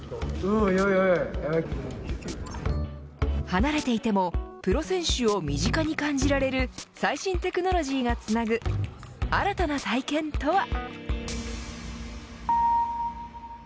離れていてもプロ選手を身近に感じられる最新テクノロジーがつなぐ新たな体験とは。